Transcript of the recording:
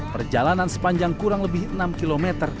perjalanan sepanjang kurang lebih enam km